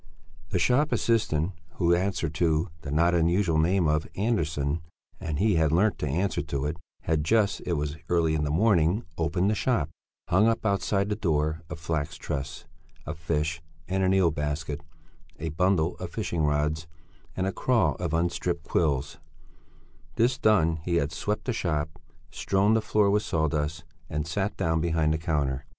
The shop assistant, who answered to the not unusual name of Andersson, and he had learnt to answer to it, had just it was early in the morning opened the shop, hung up outside the door a flax tress, a fish and an eel basket, a bundle of fishing rods, and a crawl of unstripped quills; this done, he had swept the shop, strewn the floor with sawdust, and sat down behind the counter.